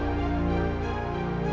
aku outdoor spelling siang ya